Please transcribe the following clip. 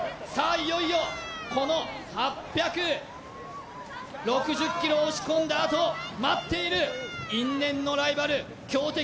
いよいよこの８６０ｋｇ押し込んだあと待っている因縁のライバル強敵